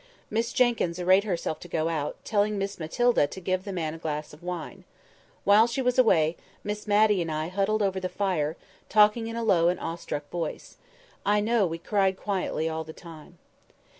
Miss Jenkyns arrayed herself to go out, telling Miss Matilda to give the man a glass of wine. While she was away, Miss Matty and I huddled over the fire, talking in a low and awestruck voice. I know we cried quietly all the time.